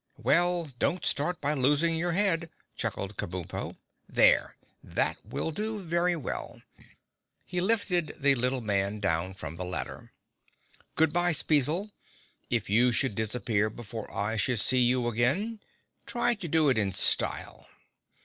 "Well, don't start by losing your head," chuckled Kabumpo. "There—that will do very well." He lifted the little man down from the ladder. "Good bye, Spezzle. If you should disappear before I should see you again, try to do it in style."